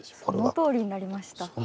そのとおりになりました。